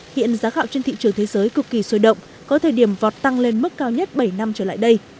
hiện giá gạo trên thị trường thế giới cực kỳ sôi động có thời điểm vọt tăng lên mức cao nhất bảy năm trở lại đây